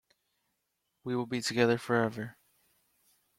We will be together forever.